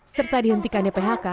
serta dihentikannya phk